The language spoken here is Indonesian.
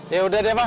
ya udah deh mak